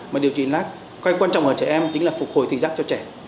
mà điều trị lắc quan trọng ở trẻ em chính là phục hồi tình giác cho trẻ